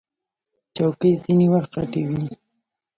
چوکۍ ځینې وخت غټې وي.